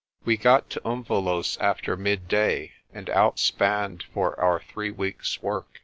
We got to Umvelos' after midday, and outspanned for our three weeks' work.